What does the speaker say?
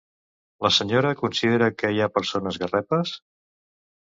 La senyora considera que hi ha persones garrepes?